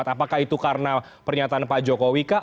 apakah itu karena pernyataan pak jokowi kah